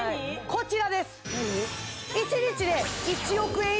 こちらです！